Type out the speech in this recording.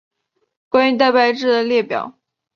关于蛋白质的列表。